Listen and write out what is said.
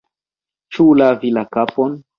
Ĉu lavi la kapon?